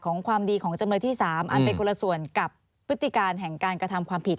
ความดีของจำเลยที่๓อันเป็นคนละส่วนกับพฤติการแห่งการกระทำความผิด